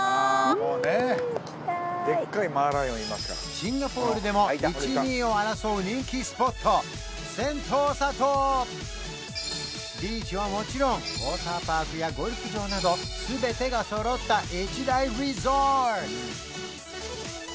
シンガポールでも１位２位を争う人気スポットセントーサ島ビーチはもちろんウォーターパークやゴルフ場など全てが揃った一大リゾート